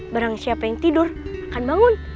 barang siapa yang tidur akan bangun